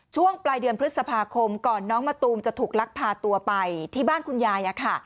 ช่วงปลายเดือนพฤษภาคมก่อนน้องมะตูมจะถูกลักพาตัวไปที่บ้านคุณยาย